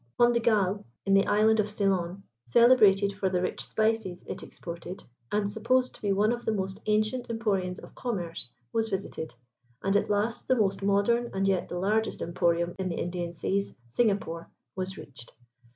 Pont de Galle, in the island of Ceylon, celebrated for the rich spices it exported, and supposed to be one of the most ancient emporiums of commerce, was visited, and at last the most modern and yet the largest emporium in the Indian seas, Singapore, was reached.